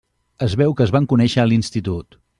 Es veu que es van conèixer a l'institut.